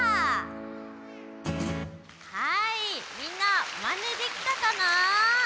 はいみんなマネできたかな？